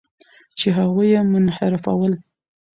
چې هغوی یې منحرفول.